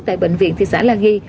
tại bệnh viện thị xã la ghi